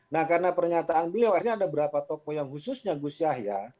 nah karena pernyataan beliau akhirnya ada beberapa tokoh yang khususnya gus yahya